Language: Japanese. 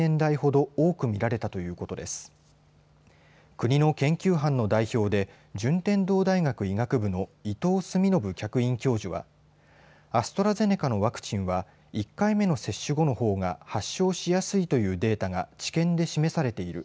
国の研究班の代表で順天堂大学医学部の伊藤澄信客員教授はアストラゼネカのワクチンは１回目の接種後のほうが発症しやすいというデータが治験で示されている。